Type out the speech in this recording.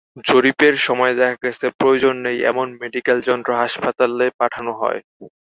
জরিপের সময় দেখা গেছে, প্রয়োজন নেই এমন মেডিকেল যন্ত্র হাসপাতালে পাঠানো হয়।